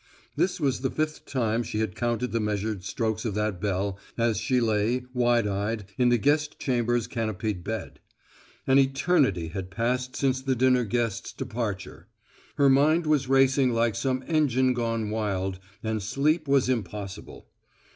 This was the fifth time she had counted the measured strokes of that bell as she lay, wide eyed, in the guest chamber's canopied bed. An eternity had passed since the dinner guests' departure. Her mind was racing like some engine gone wild, and sleep was impossible.